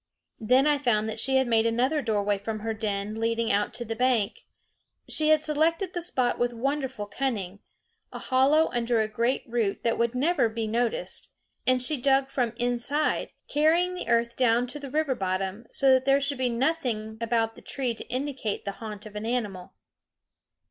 Then I found that she had made another doorway from her den leading out to the bank. She had selected the spot with wonderful cunning, a hollow under a great root that would never be noticed, and she dug from inside, carrying the earth down to the river bottom, so that there should be nothing about the tree to indicate the haunt of an animal.